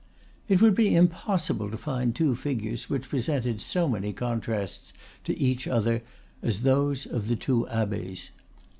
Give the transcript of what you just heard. It would be impossible to find two figures which presented so many contrasts to each other as those of the two abbes.